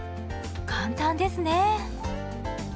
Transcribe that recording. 簡単ですね。